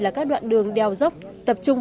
là các đoạn đường đeo dốc tập trung